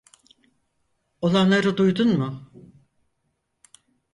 Olanları duydun mu?